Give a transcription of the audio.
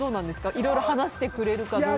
いろいろ話してくれるかどうか。